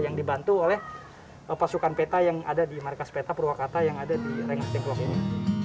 yang dibantu oleh pasukan peta yang ada di markas peta purwakarta yang ada di rengas dengklok ini